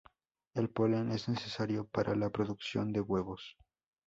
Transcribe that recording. El polen es necesario para la producción de huevos.